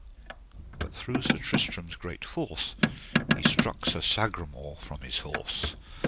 But through Sir Tristram's great force he struck Sir Sagramore from his horse.